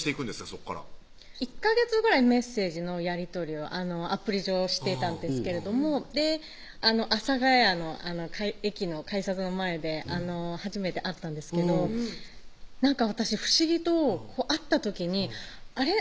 そこから１ヵ月ぐらいメッセージのやり取りはアプリ上していたんですけれども阿佐ケ谷の駅の改札の前で初めて会ったんですけどなんか私不思議と会った時にあれ？